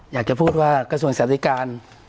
อยากจะพูดว่ากระทรวงสาธิการ